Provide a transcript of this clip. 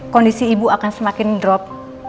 kondisi ibu akan semakin drop